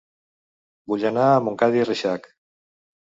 Vull anar a Montcada i Reixac